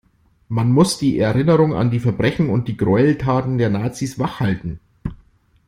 Man muss die Erinnerung an die Verbrechen und die Gräueltaten der Nazis wach halten.